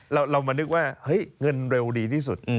เรามานึกว่าเฮ้ยเงินเร็วดีที่สุด